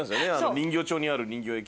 人形町にある人形焼屋。